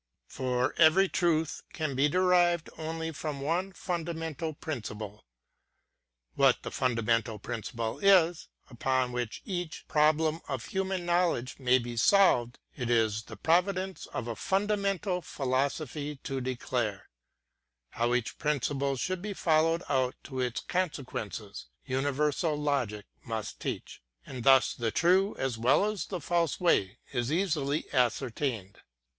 For every truth can be derived only from one fundamental principle. What the fundamental principle is, upon which each pro blem of human knowledge may be solved, it is the pro vince of a fundamental philosophy to declare; — how each principle should be followed out to its consequences, uni versal logic must teach; — and thus the true as well as the false way is easily ascertained.